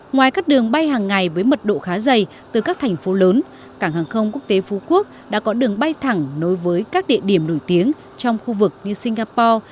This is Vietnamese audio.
ngoài các đường bay hàng ngày với mật độ khá dày từ các thành phố lớn cảng hàng không quốc tế phú quốc đã có đường bay thẳng nối với các địa điểm nổi tiếng trong khu vực như singapore